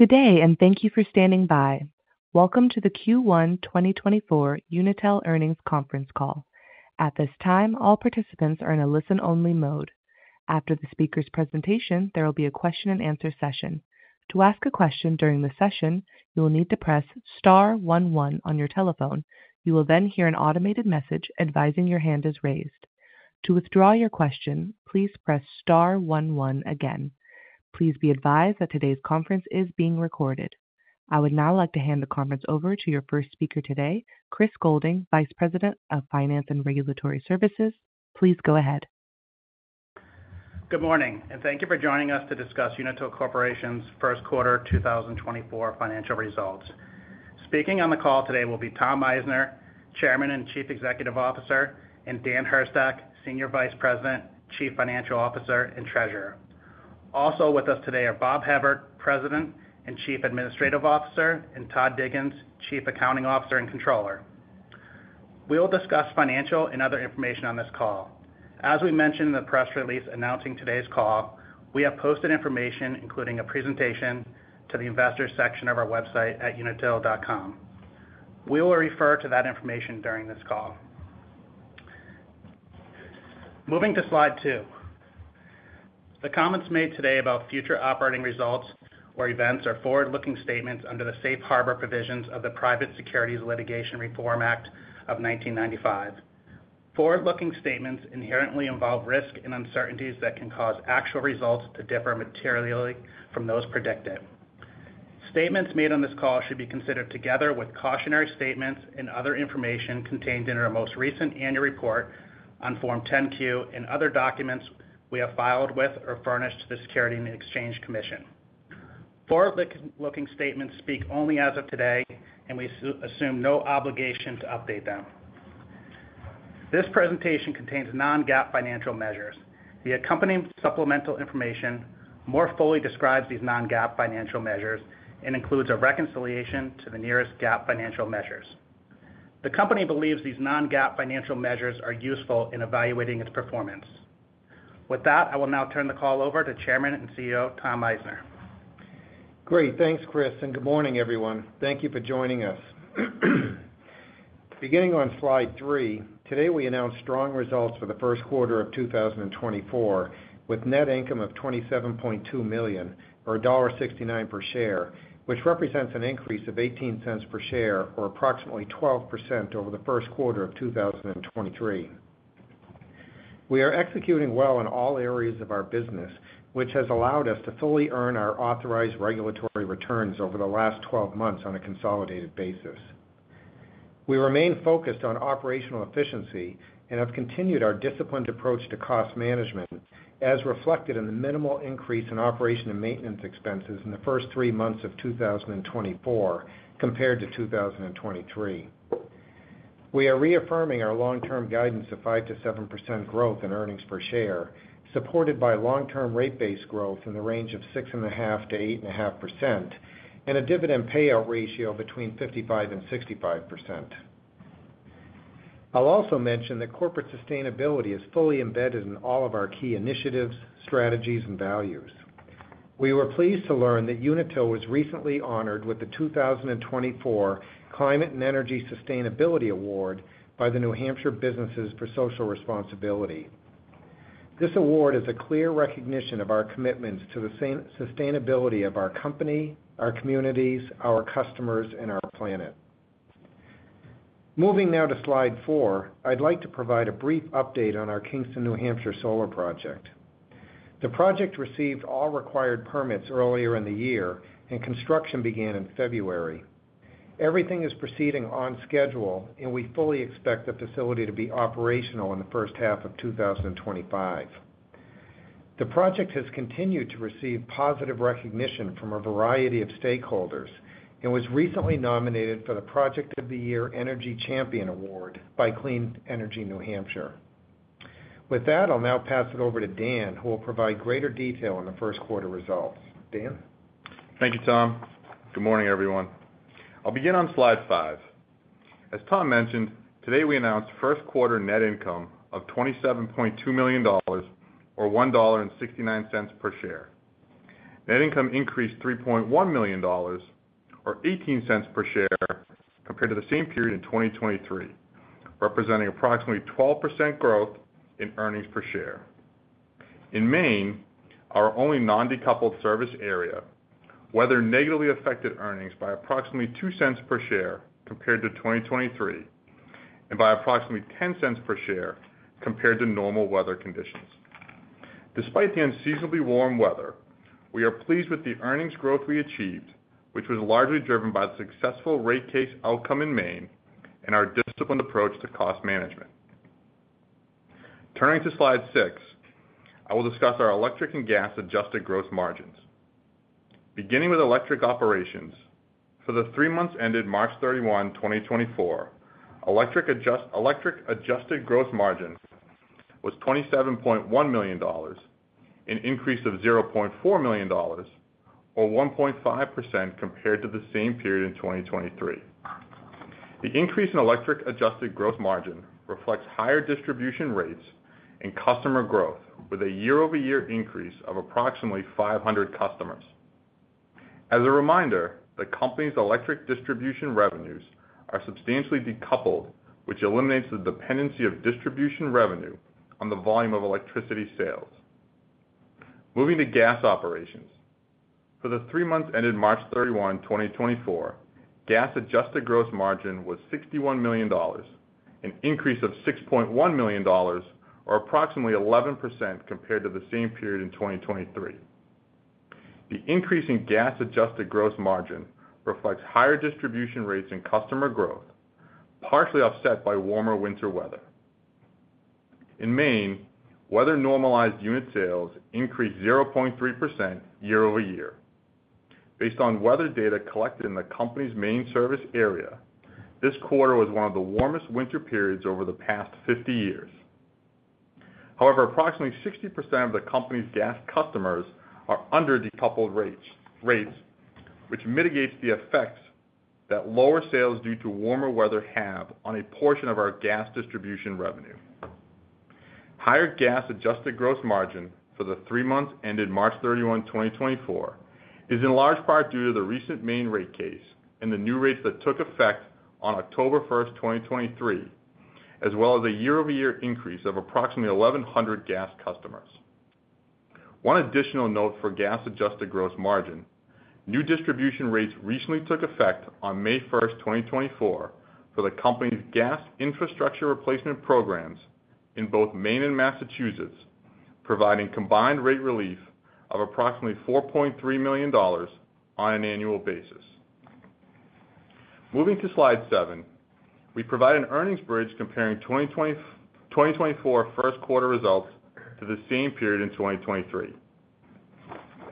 Good day, and thank you for standing by. Welcome to the Q1 2024 Unitil Earnings Conference Call. At this time, all participants are in a listen-only mode. After the speaker's presentation, there will be a question-and-answer session. To ask a question during the session, you will need to press star one one on your telephone. You will then hear an automated message advising your hand is raised. To withdraw your question, please press star one one again. Please be advised that today's conference is being recorded. I would now like to hand the conference over to your first speaker today, Chris Goulding, Vice President of Finance and Regulatory Services. Please go ahead. Good morning, and thank you for joining us to discuss Unitil Corporation's Q1 2024 Financial Results. Speaking on the call today will be Tom Meissner, Chairman and Chief Executive Officer, and Dan Hurstak, Senior Vice President, Chief Financial Officer, and Treasurer. Also with us today are Bob Hevert, President and Chief Administrative Officer, and Todd Diggins, Chief Accounting Officer and Controller. We will discuss financial and other information on this call. As we mentioned in the press release announcing today's call, we have posted information, including a presentation, to the Investors section of our website at unitil.com. We will refer to that information during this call. Moving to slide two. The comments made today about future operating results or events are forward-looking statements under the safe harbor provisions of the Private Securities Litigation Reform Act of 1995. Forward-looking statements inherently involve risk and uncertainties that can cause actual results to differ materially from those predicted. Statements made on this call should be considered together with cautionary statements and other information contained in our most recent annual report on Form 10-Q and other documents we have filed with or furnished to the Securities and Exchange Commission. Forward-looking statements speak only as of today, and we assume no obligation to update them. This presentation contains non-GAAP financial measures. The accompanying supplemental information more fully describes these non-GAAP financial measures and includes a reconciliation to the nearest GAAP financial measures. The company believes these non-GAAP financial measures are useful in evaluating its performance. With that, I will now turn the call over to Chairman and CEO, Tom Meissner. Great. Thanks, Chris, and good morning, everyone. Thank you for joining us. Beginning on slide three, today we announced strong results for the Q1 of 2024, with net income of $27.2 million or $1.69 per share, which represents an increase of $0.18 per share or approximately 12% over the Q1 of 2023. We are executing well in all areas of our business, which has allowed us to fully earn our authorized regulatory returns over the last 12 months on a consolidated basis. We remain focused on operational efficiency and have continued our disciplined approach to cost management, as reflected in the minimal increase in operation and maintenance expenses in the first three months of 2024 compared to 2023. We are reaffirming our long-term guidance of 5%-7% growth in earnings per share, supported by long-term rate base growth in the range of 6.5%-8.5% and a dividend payout ratio between 55%-65%. I'll also mention that corporate sustainability is fully embedded in all of our key initiatives, strategies and values. We were pleased to learn that Unitil was recently honored with the 2024 Climate and Energy Sustainability Award by the New Hampshire Businesses for Social Responsibility. This award is a clear recognition of our commitments to the sustainability of our company, our communities, our customers, and our planet. Moving now to slide four, I'd like to provide a brief update on our Kingston, New Hampshire, solar project. The project received all required permits earlier in the year, and construction began in February. Everything is proceeding on schedule, and we fully expect the facility to be operational in the H1 of 2025. The project has continued to receive positive recognition from a variety of stakeholders and was recently nominated for the Project of the Year Energy Champion Award by Clean Energy New Hampshire. With that, I'll now pass it over to Dan, who will provide greater detail on the Q1 results. Dan? Thank you, Tom. Good morning, everyone. I'll begin on slide five. As Tom mentioned, today we announced Q1 net income of $27.2 million or $1.69 per share. Net income increased $3.1 million, or $0.18 per share, compared to the same period in 2023, representing approximately 12% growth in earnings per share. In Maine, our only non-decoupled service area, weather negatively affected earnings by approximately $0.02 per share compared to 2023, and by approximately $0.10 per share compared to normal weather conditions. Despite the unseasonably warm weather, we are pleased with the earnings growth we achieved, which was largely driven by the successful rate case outcome in Maine and our disciplined approach to cost management. Turning to slide six, I will discuss our electric and gas adjusted gross margins. Beginning with electric operations, for the three months ended March 31, 2024, electric adjusted gross margin was $27.1 million, an increase of $0.4 million or 1.5% compared to the same period in 2023. The increase in electric adjusted gross margin reflects higher distribution rates and customer growth, with a year-over-year increase of approximately 500 customers. As a reminder, the company's electric distribution revenues are substantially decoupled, which eliminates the dependency of distribution revenue on the volume of electricity sales. Moving to gas operations. For the three months ended March 31, 2024, gas adjusted gross margin was $61 million, an increase of $6.1 million, or approximately 11% compared to the same period in 2023. The increase in gas adjusted gross margin reflects higher distribution rates and customer growth, partially offset by warmer winter weather. In Maine, weather-normalized unit sales increased 0.3% year-over-year. Based on weather data collected in the company's main service area, this quarter was one of the warmest winter periods over the past 50 years. However, approximately 60% of the company's gas customers are under decoupled rates, which mitigates the effects that lower sales due to warmer weather have on a portion of our gas distribution revenue. Higher gas adjusted gross margin for the three months ended March 31, 2024, is in large part due to the recent Maine rate case and the new rates that took effect on October 1st, 2023, as well as a year-over-year increase of approximately 1,100 gas customers. One additional note for gas adjusted gross margin. New distribution rates recently took effect on May 1st, 2024, for the company's gas infrastructure replacement programs in both Maine and Massachusetts, providing combined rate relief of approximately $4.3 million on an annual basis. Moving to slide seven, we provide an earnings bridge comparing 2024 Q1 results to the same period in 2023.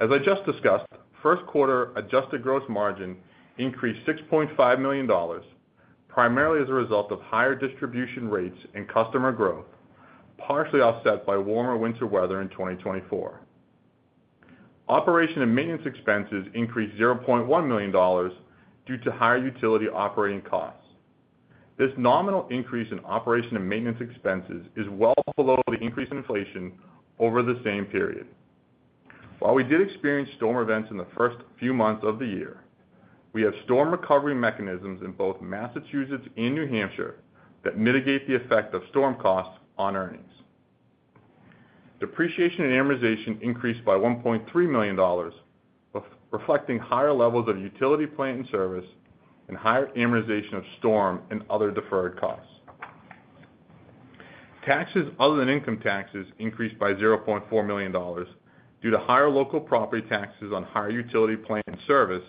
As I just discussed, Q1 adjusted gross margin increased $6.5 million, primarily as a result of higher distribution rates and customer growth, partially offset by warmer winter weather in 2024. Operation and maintenance expenses increased $0.1 million due to higher utility operating costs. This nominal increase in operation and maintenance expenses is well below the increase in inflation over the same period. While we did experience storm events in the first few months of the year, we have storm recovery mechanisms in both Massachusetts and New Hampshire that mitigate the effect of storm costs on earnings. Depreciation and amortization increased by $1.3 million, reflecting higher levels of utility plant and service, and higher amortization of storm and other deferred costs. Taxes other than income taxes increased by $0.4 million, due to higher local property taxes on higher utility plant and service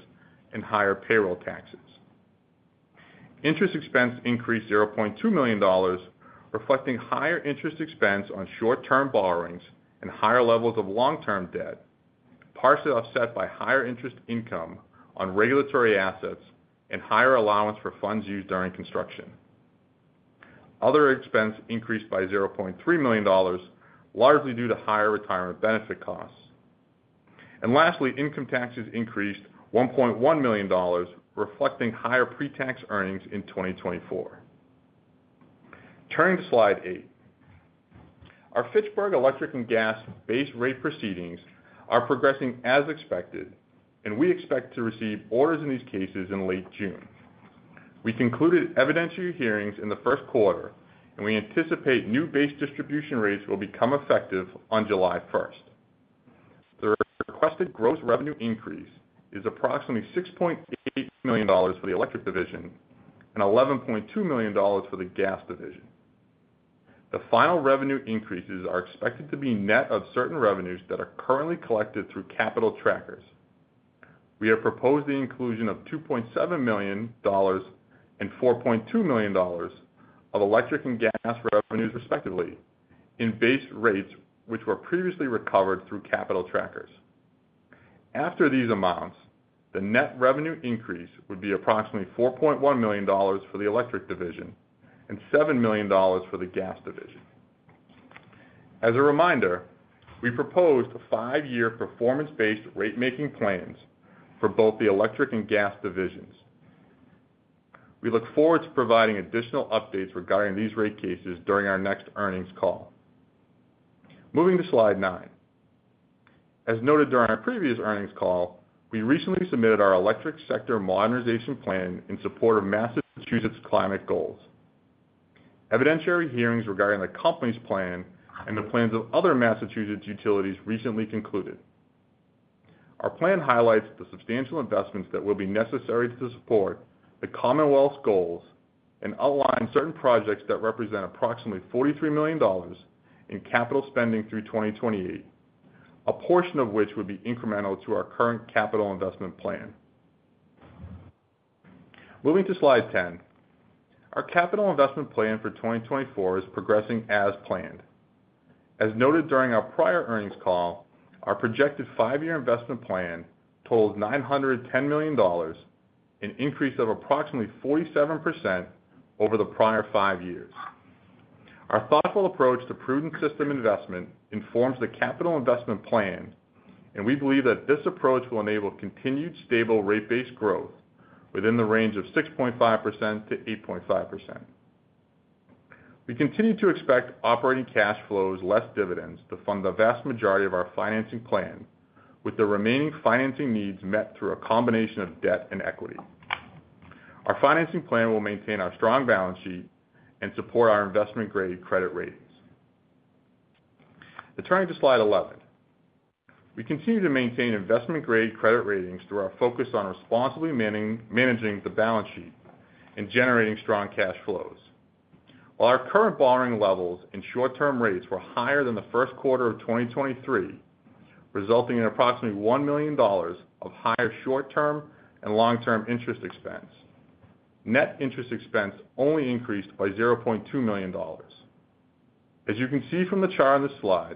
and higher payroll taxes. Interest expense increased $0.2 million, reflecting higher interest expense on short-term borrowings and higher levels of long-term debt, partially offset by higher interest income on regulatory assets and higher allowance for funds used during construction. Other expense increased by $0.3 million, largely due to higher retirement benefit costs. Lastly, income taxes increased $1.1 million, reflecting higher pre-tax earnings in 2024. Turning to slide eight. Our Fitchburg Electric and Gas base rate proceedings are progressing as expected, and we expect to receive orders in these cases in late June. We concluded evidentiary hearings in the Q1, and we anticipate new base distribution rates will become effective on July 1st. The requested gross revenue increase is approximately $6.8 million for the electric division and $11.2 million for the gas division. The final revenue increases are expected to be net of certain revenues that are currently collected through capital trackers. We have proposed the inclusion of $2.7 million and $4.2 million of electric and gas revenues, respectively, in base rates, which were previously recovered through capital trackers. After these amounts, the net revenue increase would be approximately $4.1 million for the electric division and $7 million for the gas division. As a reminder, we proposed a five-year performance-based rate-making plans for both the electric and gas divisions. We look forward to providing additional updates regarding these rate cases during our next earnings call. Moving to slide nine. As noted during our previous earnings call, we recently submitted our Electric Sector Modernization Plan in support of Massachusetts' climate goals. Evidentiary hearings regarding the company's plan and the plans of other Massachusetts utilities recently concluded. Our plan highlights the substantial investments that will be necessary to support the Commonwealth's goals and outlines certain projects that represent approximately $43 million in capital spending through 2028, a portion of which would be incremental to our current capital investment plan. Moving to slide 10. Our capital investment plan for 2024 is progressing as planned. As noted during our prior earnings call, our projected five-year investment plan totals $910 million, an increase of approximately 47% over the prior five years.... Our thoughtful approach to prudent system investment informs the capital investment plan, and we believe that this approach will enable continued stable rate-based growth within the range of 6.5%-8.5%. We continue to expect operating cash flows, less dividends, to fund the vast majority of our financing plan, with the remaining financing needs met through a combination of debt and equity. Our financing plan will maintain our strong balance sheet and support our investment-grade credit ratings. Now turning to slide 11. We continue to maintain investment-grade credit ratings through our focus on responsibly managing the balance sheet and generating strong cash flows. While our current borrowing levels and short-term rates were higher than the Q1 of 2023, resulting in approximately $1 million of higher short-term and long-term interest expense, net interest expense only increased by $0.2 million. As you can see from the chart on this slide,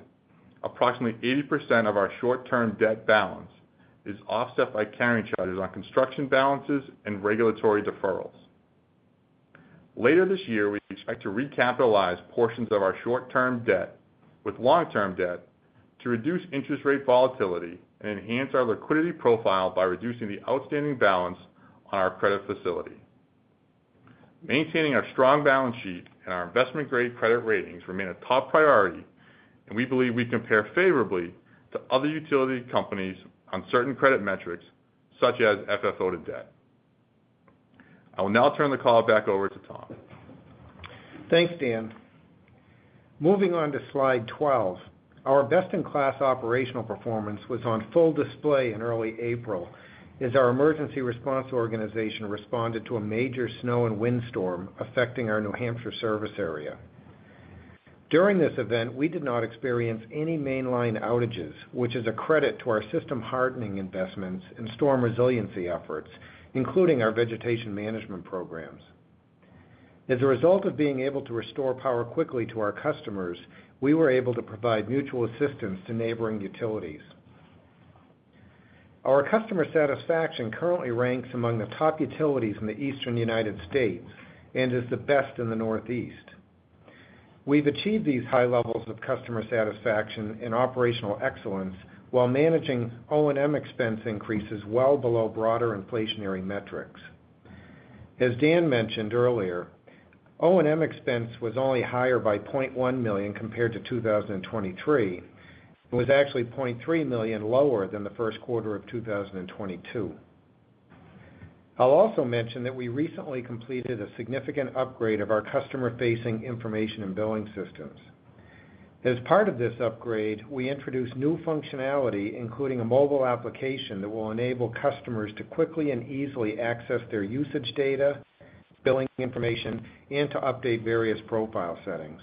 approximately 80% of our short-term debt balance is offset by carrying charges on construction balances and regulatory deferrals. Later this year, we expect to recapitalize portions of our short-term debt with long-term debt to reduce interest rate volatility and enhance our liquidity profile by reducing the outstanding balance on our credit facility. Maintaining our strong balance sheet and our investment-grade credit ratings remain a top priority, and we believe we compare favorably to other utility companies on certain credit metrics, such as FFO to debt. I will now turn the call back over to Tom. Thanks, Dan. Moving on to slide 12. Our best-in-class operational performance was on full display in early April, as our emergency response organization responded to a major snow and windstorm affecting our New Hampshire service area. During this event, we did not experience any mainline outages, which is a credit to our system hardening investments and storm resiliency efforts, including our vegetation management programs. As a result of being able to restore power quickly to our customers, we were able to provide mutual assistance to neighboring utilities. Our customer satisfaction currently ranks among the top utilities in the Eastern United States and is the best in the Northeast. We've achieved these high levels of customer satisfaction and operational excellence while managing O&M expense increases well below broader inflationary metrics. As Dan mentioned earlier, O&M expense was only higher by $0.1 million compared to 2023, and was actually $0.3 million lower than the Q1 of 2022. I'll also mention that we recently completed a significant upgrade of our customer-facing information and billing systems. As part of this upgrade, we introduced new functionality, including a mobile application, that will enable customers to quickly and easily access their usage data, billing information, and to update various profile settings.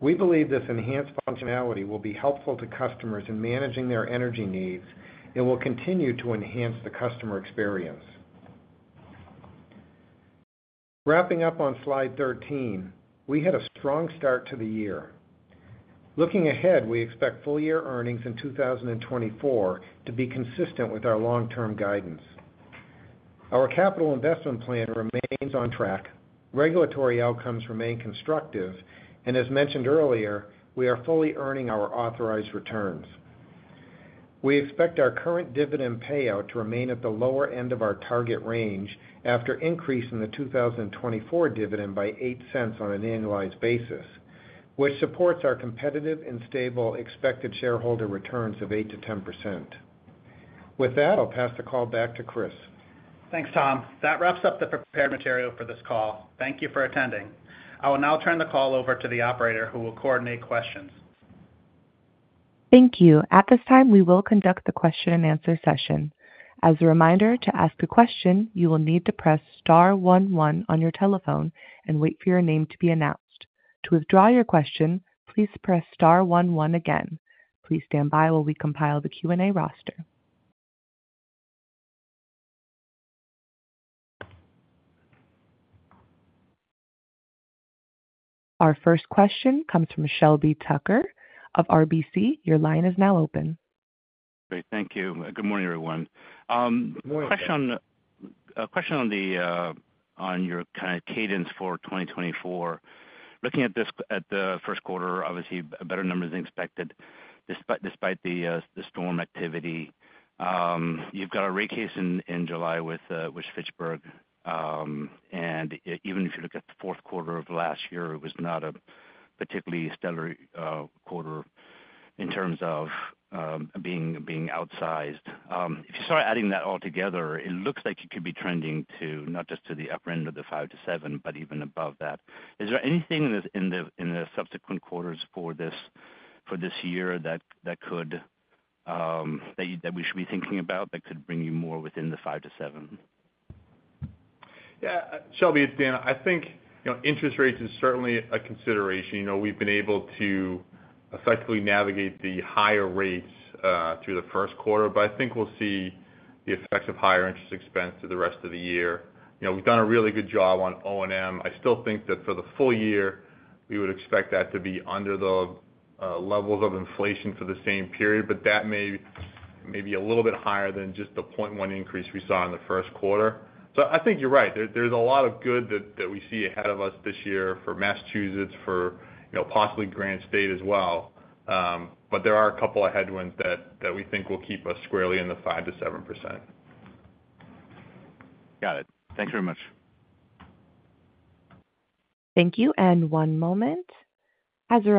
We believe this enhanced functionality will be helpful to customers in managing their energy needs and will continue to enhance the customer experience. Wrapping up on slide 13, we had a strong start to the year. Looking ahead, we expect full-year earnings in 2024 to be consistent with our long-term guidance. Our capital investment plan remains on track, regulatory outcomes remain constructive, and as mentioned earlier, we are fully earning our authorized returns. We expect our current dividend payout to remain at the lower end of our target range after increasing the 2024 dividend by $0.08 on an annualized basis, which supports our competitive and stable expected shareholder returns of 8%-10%. With that, I'll pass the call back to Chris. Thanks, Tom. That wraps up the prepared material for this call. Thank you for attending. I will now turn the call over to the operator, who will coordinate questions. Thank you. At this time, we will conduct the question-and-answer session. As a reminder, to ask a question, you will need to press star one one on your telephone and wait for your name to be announced. To withdraw your question, please press star one one again. Please stand by while we compile the Q&A roster. Our first question comes from Shelby Tucker of RBC. Your line is now open. Great. Thank you. Good morning, everyone. Good morning. A question on your kind of cadence for 2024. Looking at this, at the Q1, obviously better numbers than expected, despite the storm activity. You've got a rate case in July with Fitchburg, and even if you look at the Q4 of last year, it was not a particularly stellar quarter in terms of being outsized. If you start adding that all together, it looks like you could be trending to, not just to the upper end of the 5-7, but even above that. Is there anything that's in the subsequent quarters for this year that we should be thinking about that could bring you more within the 5-7? Yeah, Shelby, it's Dan. I think, you know, interest rates is certainly a consideration. You know, we've been able to effectively navigate the higher rates through the Q1, but I think we'll see the effects of higher interest expense through the rest of the year. You know, we've done a really good job on O&M. I still think that for the full year, we would expect that to be under the levels of inflation for the same period, but that may be a little bit higher than just the 0.1 increase we saw in the Q1. So I think you're right. There, there's a lot of good that, that we see ahead of us this year for Massachusetts, for, you know, possibly Granite State as well. There are a couple of headwinds that we think will keep us squarely in the 5%-7%. Got it. Thank you very much. Thank you, and one moment. As a reminder-